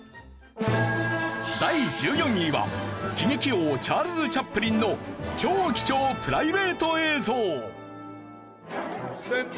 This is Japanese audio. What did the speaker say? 第１４位は喜劇王チャールズ・チャップリンの超貴重プライベート映像！